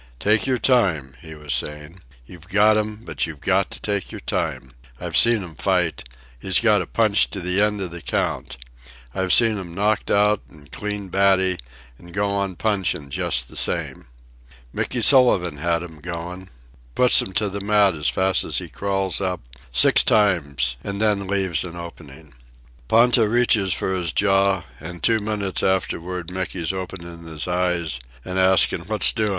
"Take your time," he was saying. "You've got 'm, but you got to take your time. I've seen 'm fight. He's got a punch to the end of the count. I've seen 'm knocked out and clean batty, an' go on punching just the same. Mickey Sullivan had 'm goin'. Puts 'm to the mat as fast as he crawls up, six times, an' then leaves an opening. Ponta reaches for his jaw, an two minutes afterward Mickey's openin' his eyes an' askin' what's doin'.